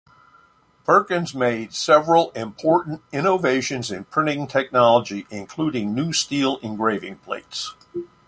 Perkins made several important innovations in printing technology, including new steel engraving plates.